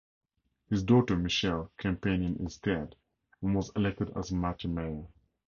His daughter Michelle campaigned in his stead and was elected as Mati mayor.